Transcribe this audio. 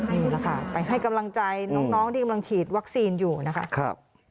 นี่แหละค่ะไปให้กำลังใจน้องที่กำลังฉีดวัคซีนอยู่นะคะ